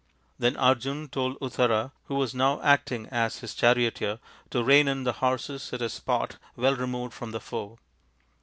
Then Arjun told Uttara, who was now acting as his charioteer, to rein in the horses at a spot well removed from the foe.